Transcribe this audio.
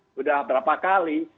sudah berapa kali